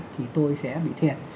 thì tôi sẽ bị thiệt